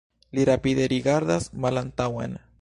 Li rapide rigardas malantaŭen.